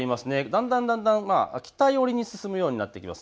だんだんだんだん北寄りに進むようになっています。